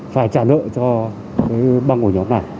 phải trả nợ cho băng ổ nhóm này